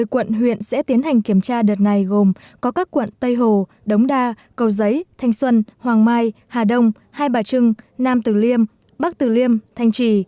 một mươi quận huyện sẽ tiến hành kiểm tra đợt này gồm có các quận tây hồ đống đa cầu giấy thanh xuân hoàng mai hà đông hai bà trưng nam tử liêm bắc tử liêm thanh trì